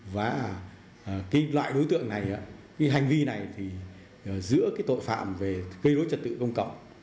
và cái loại đối tượng này cái hành vi này thì giữa cái tội phạm về gây đối trật tự công cộng